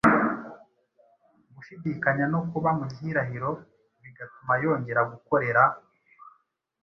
gushidikanya no kuba mu gihirahiro bigatuma yongera gukorera